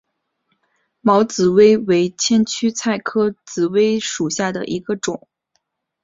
毛紫薇为千屈菜科紫薇属下的一个种。